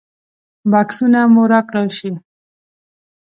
بکسونه مو راکړل شي.